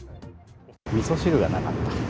みそ汁がなかった。